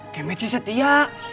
kemet sih setia